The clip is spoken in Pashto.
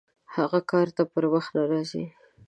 هغه کار ته پر وخت نه راځي!